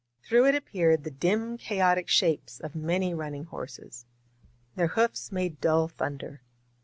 Through it appeared the dim chaotic shapes of many running horses. Their hoofs made dull thunder.